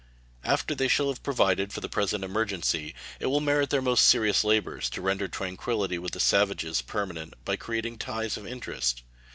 After they shall have provided for the present emergency, it will merit their most serious labors to render tranquillity with the savages permanent by creating ties of interest.